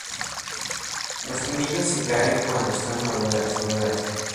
Las semillas se caen cuando están maduras.